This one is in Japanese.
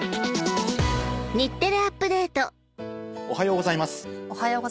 おはようございます。